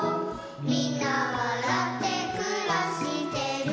「みんなわらってくらしてる」